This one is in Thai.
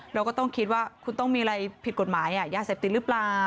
เราก็ต้องคิดว่าคุณต้องมีอะไรผิดกฎหมายยาเสพติดหรือเปล่า